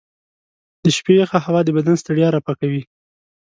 د شپې یخه هوا د بدن ستړیا رفع کوي.